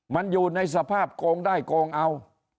มันอยู่ในสภาพโกงได้โกงเอา